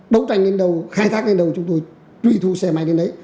đấu tranh lên đầu khai thác lên đầu chúng tôi truy thu xe máy đến đấy